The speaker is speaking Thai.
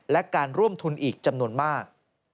และการร่วมทุนอีกจำนวนมาก